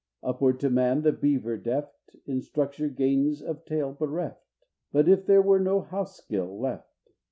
Upward to man the beaver deft In structure gains of tail bereft But if there were no house skill left!